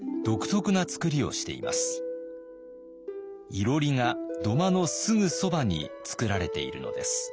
いろりが土間のすぐそばにつくられているのです。